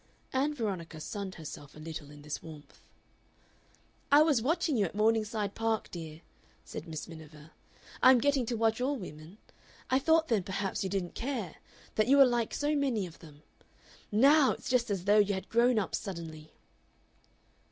Ann Veronica sunned herself a little in this warmth. "I was watching you at Morningside Park, dear," said Miss Miniver. "I am getting to watch all women. I thought then perhaps you didn't care, that you were like so many of them. NOW it's just as though you had grown up suddenly."